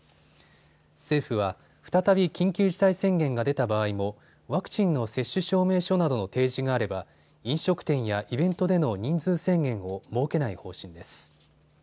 政府は再び緊急事態宣言が出た場合もワクチンの接種証明書などの提示があれば飲食店やイベントでの人数制限を設けない方針です。